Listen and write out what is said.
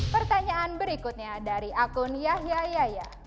pertanyaan berikutnya dari akun yahya yaya